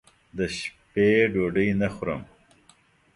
دشپې ډوډۍ نه خورم